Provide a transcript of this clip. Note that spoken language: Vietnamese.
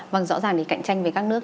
vâng rõ ràng thì cạnh tranh với các nước